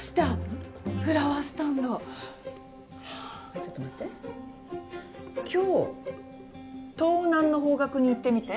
あっちょっと待って今日東南の方角に行ってみて。